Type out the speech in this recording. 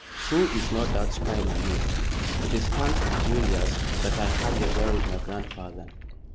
"Who is, no doubt, spying on me. It is thanks to Julius that I had the row with my grandfather.